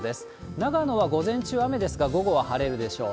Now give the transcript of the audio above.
長野は午前中、雨ですが、午後は晴れるでしょう。